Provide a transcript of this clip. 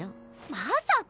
まさか！